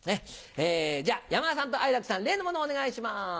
じゃ山田さんと愛楽さん例のものお願いします。